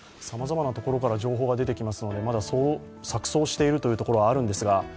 さまざまなところから情報が出てきますので、まだ錯綜しているところはあるんですが。